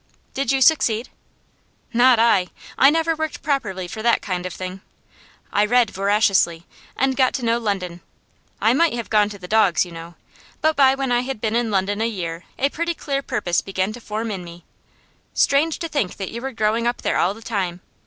'Did you succeed?' 'Not I! I never worked properly for that kind of thing. I read voraciously, and got to know London. I might have gone to the dogs, you know; but by when I had been in London a year a pretty clear purpose began to form in me. Strange to think that you were growing up there all the time.